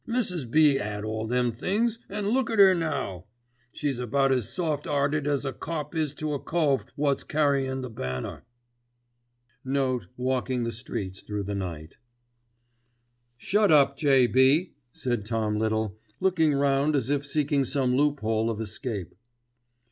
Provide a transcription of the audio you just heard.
Mrs. B. 'ad all them things, an' look at 'er now. She's about as soft 'earted as a cop is to a cove wot's 'carryin' the banner.'"* * Walking the streets through the night "Shut up, J.B.," said Tom Little, looking round as if seeking some loophole of escape.